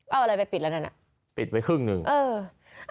เอาอะไรไปปิดแล้วกันอ่ะปิดไว้ครึ่งหนึ่งเออ